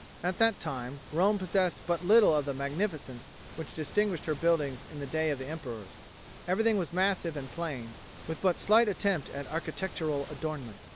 At that time Rome possessed but little of the magnificence which distinguished her buildings in the days of the emperors. Everything was massive and plain, with but slight attempt at architectural adornment.